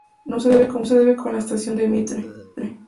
No se debe confundir con la estación del Mitre.